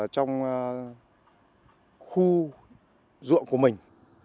trong khu ruộng của mình